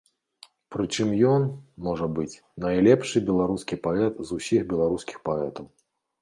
Прычым ён, можа быць, найлепшы беларускі паэт з усіх беларускіх паэтаў.